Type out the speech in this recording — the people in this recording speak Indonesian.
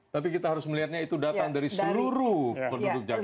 tapi kita harus melihatnya itu datang dari seluruh penduduk jakarta